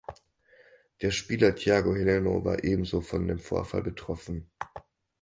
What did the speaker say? Der Spieler Thiago Heleno war ebenso von dem Vorfall betroffen.